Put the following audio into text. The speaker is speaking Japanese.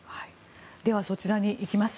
では、そちらに行きます。